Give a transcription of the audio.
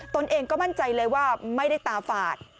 ตนเองก็มั่นใจเลยว่าไม่ได้ตาฝาด